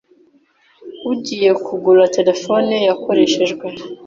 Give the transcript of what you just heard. ugiye kugura telefone yakoreshejwe